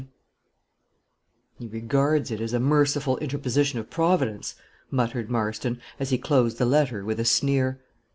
Danvers" "He regards it as a merciful interposition of Providence," muttered Marston, as he closed the letter, with a sneer.